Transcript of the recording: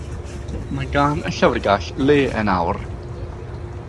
Mae gan y llyfrgell le yn awr.